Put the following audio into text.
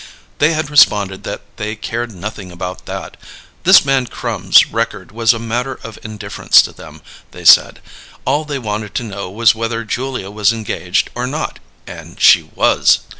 They had responded that they cared nothing about that. This man Crum's record was a matter of indifference to them, they said. All they wanted to know was whether Julia was engaged or not and she was!